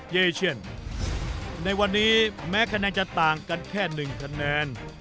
เยเชียนในวันนี้แม้คะแนนจะต่างกันแค่๑คะแนน